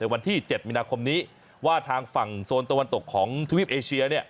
วันที่๗มีนาคมนี้ว่าทางฝั่งโซนตะวันตกของทวีปเอเชีย